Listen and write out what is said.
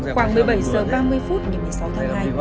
khoảng một mươi bảy h ba mươi phút ngày một mươi sáu tháng hai